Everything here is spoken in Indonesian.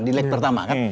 di leg pertama kan